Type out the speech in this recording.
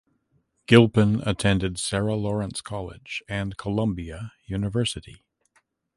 Gilpin attended Sarah Lawrence College and Columbia University.